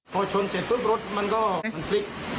พอชนเสร็จทุกรถมันก็คลิก